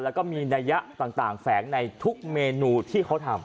แล้วก็มีนัยยะต่างแฝงในทุกเมนูที่เขาทำ